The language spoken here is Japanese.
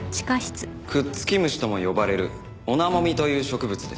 くっつき虫とも呼ばれるオナモミという植物です。